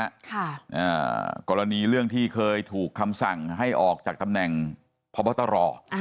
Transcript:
อ่ากรณีเรื่องที่เคยถูกคำสั่งให้ออกจากตำแหน่งพบตรอ่า